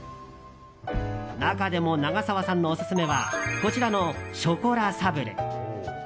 中でも長澤さんのオススメはこちらのショコラサブレ。